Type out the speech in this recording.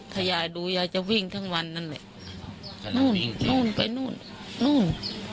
ถ้ายายดูยายจะวิ่งทั้งวันนั่นแหละนู่นไปนู่นนู่น